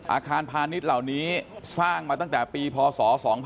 อาคารพาณิชย์เหล่านี้สร้างมาตั้งแต่ปีพศ๒๕๕๘